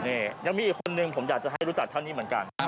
นี่ยังมีอีกคนนึงผมอยากจะให้รู้จักเท่านี้เหมือนกัน